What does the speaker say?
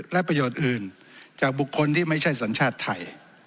และประโยชน์อื่นจากบุคคลที่ไม่ใช่สัญชาติไทย